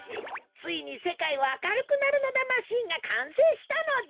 ついにせかいはあかるくなるのだマシンがかんせいしたのだ。